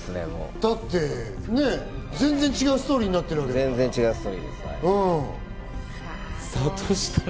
だって全然違うストーリーになってるから。